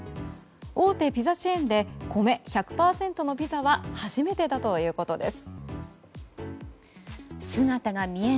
大手ピザチェーンで米１００％のピザは初めてだということです。